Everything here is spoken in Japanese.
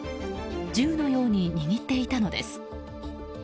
銃のように握っていたのです。